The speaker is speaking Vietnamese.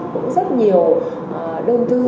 cũng rất nhiều đơn thư